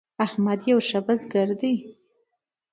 احمد یو ښه بزګر دی.